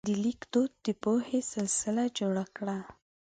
د لیک دود د پوهې سلسله جوړه کړه.